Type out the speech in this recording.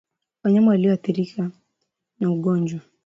Wanyama walio athirika na ugonjwa